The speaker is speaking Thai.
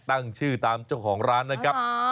ตั้งชื่อตามเจ้าของร้านนะครับ